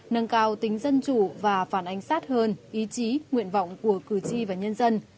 nâng cao tính dân chủ và phản ánh sát hơn ý chí nguyện vọng của cử tri và nhân dân